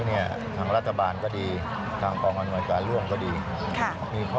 เดี๋ยวเรามาพูดคุยกับราชการสุทธิพย์มหานคร